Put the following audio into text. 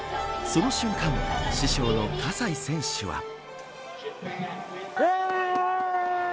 その瞬間、師匠の葛西選手は。